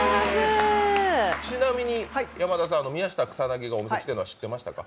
ちなみに山田さん、宮下草薙がお店に来てるのは知ってましたか？